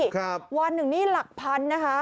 ครับวันหนึ่งนี่หลักพันนะคะ